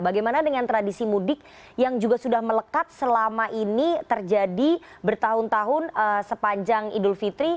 bagaimana dengan tradisi mudik yang juga sudah melekat selama ini terjadi bertahun tahun sepanjang idul fitri